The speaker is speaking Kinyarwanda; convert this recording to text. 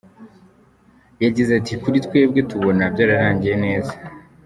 Yagize ati “Kuri twebwe tubona byarangiye neza.